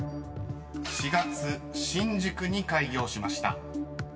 ［４月新宿に開業しました］